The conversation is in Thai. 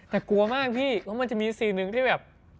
แต่กลัวมากพี่ว่ามันจะมีซีนนึงที่แบบ